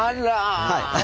はい。